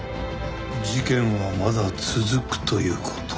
事件はまだ続くという事か。